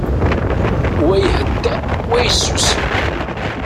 Wa ihedder, wa yessusum.